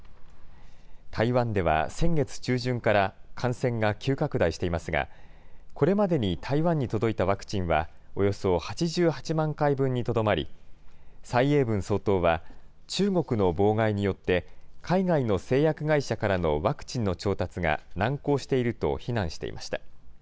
台湾では先月中旬から感染が急拡大していますが、これまでに台湾に届いたワクチンは、およそ８８万回分にとどまり、蔡英文総統は、中国の妨害によって、海外の製薬会社からのワクチンの調達が難航していると非難していました。